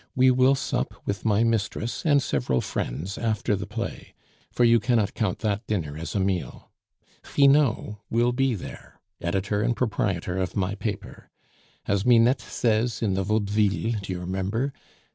We will sup with my mistress and several friends after the play, for you cannot count that dinner as a meal. Finot will be there, editor and proprietor of my paper. As Minette says in the Vaudeville (do you remember?)